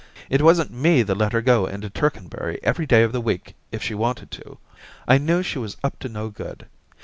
... It wasn't me that let her go into Tercanbury every day in the week if she wanted to. I knew ^he was up to no good.